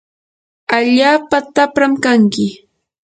allaapa tapram kanki.